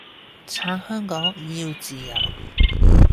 撐香港，要自由